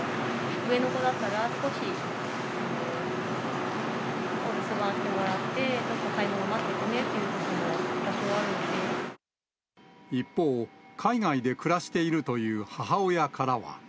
上の子だったら、少しお留守番してもらって、ちょっと買い物待っててねってい一方、海外で暮らしているという母親からは。